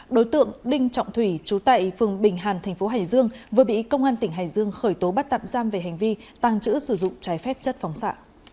đối tượng đinh trọng thủy trú tại phường bình hàn tp hải dương vừa bị công an tp hải dương khởi tố bắt tạm giam về hành vi tăng chữ sử dụng trái phép chất phóng xạ